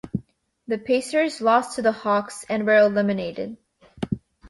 The Pacers lost to the Hawks and were eliminated.